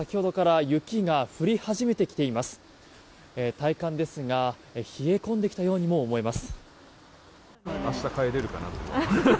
体感ですが冷え込んできたようにも思えます。